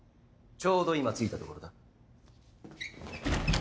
ちょうど今着いたところだ。